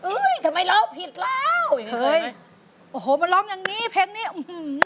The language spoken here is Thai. เฮ้ยทำไมเล่าผิดแล้วเหมือนเคยไหมโอ้โหมาเล่าอย่างนี้เพลงนี้อื้อหือ